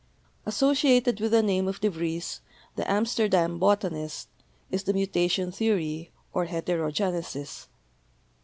Associated with the name of de Vries, the Amsterdam botanist, is the Mutation Theory, or Heterogenesis.